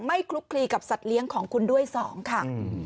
คลุกคลีกับสัตว์เลี้ยงของคุณด้วย๒ค่ะ